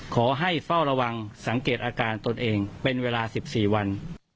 เฝ้าระวังสังเกตอาการตนเองเป็นเวลา๑๔วัน